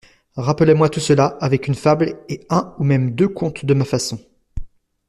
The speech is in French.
Rappelez-moi tout cela, avec une fable et un ou même deux contes de ma façon.